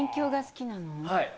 はい